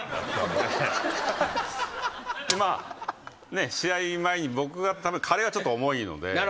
まあね試合前に僕カレーはちょっと重いのでほぼ。